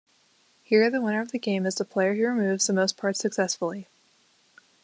Here the winner of the game is the player who removes most parts successfully.